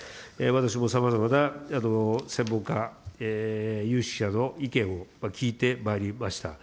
私もさまざまな専門家、有識者の意見を聞いてまいりました。